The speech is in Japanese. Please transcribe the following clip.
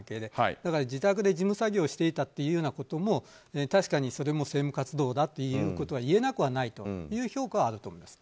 だから自宅で事務作業していたというようなことも確かに、それも政務活動だと言えなくはないという評価はあると思います。